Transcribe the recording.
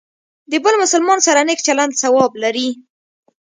د بل مسلمان سره نیک چلند ثواب لري.